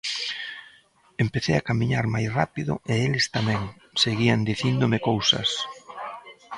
Empecei a camiñar máis rápido e eles tamén, seguían dicíndome cousas.